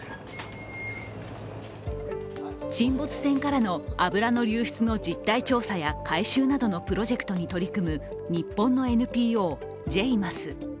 沈没船からの油の流出の実態調査や回収などのプロジェクトに取り組む日本のＮＰＯ・ＪＭＡＳ。